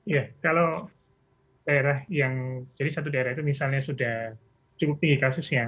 ya kalau daerah yang jadi satu daerah itu misalnya sudah cukup tinggi kasus ya